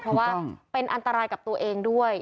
เพราะว่าเป็นอันตรายกับตัวเองด้วย